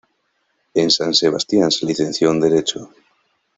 En San Sebastián se licenció en Derecho.